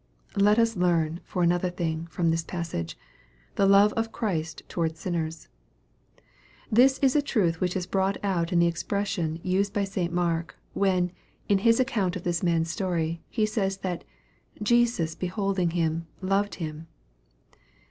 Let us learn, for another thing, from this passage, the love of Christ towards sinners. This is a truth which is hrought out in the expres sion used by St. Mark, when, in his account of this man's story, he says, that " Jesus beholding him, loved him."